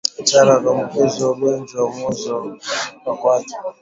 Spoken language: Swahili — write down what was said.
hatari ya kuambukizwa ugonjwa wa mwozo wa kwato